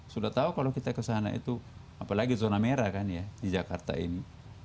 sudah tahu kalau kita kesana itu apalagi zona merah kan ya di jakarta ini